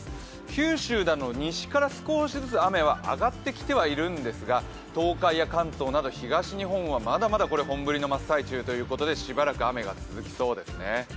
九州など、西から少しずつ雨は上がってきてはいるんですが東海や関東など東日本はまだまだ本降りの真っ最中ということで、しばらく雨が続きそうですね。